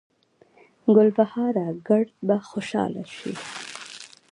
ګلبهاره ګړد به خوشحاله شي